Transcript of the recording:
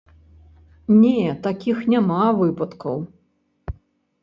Не, такіх няма выпадкаў.